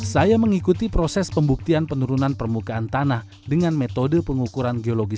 saya mengikuti proses pembuktian penurunan permukaan tanah dengan metode pengukuran geologi